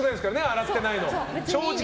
洗ってないのは。